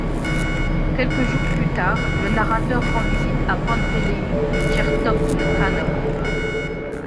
Quelques jours plus tard, le narrateur rend visite à Pantéleï Tchertopkhanov.